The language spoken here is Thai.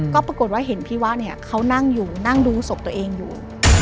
ก็ปรากฏว่าเห็นพี่ว่าเนี่ยเขานั่งอยู่นั่งดูศพตัวเองอยู่